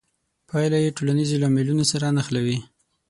پایله یې ټولنیزو لاملونو سره نښلوي.